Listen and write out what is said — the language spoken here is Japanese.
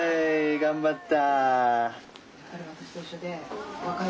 頑張った。